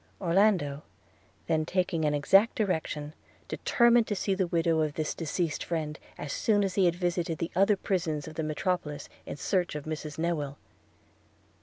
Orlando then taking an exact direction determined to see the widow of his deceased friend, as soon as he had visited the other prisons of the metropolis in search of Mrs Newill.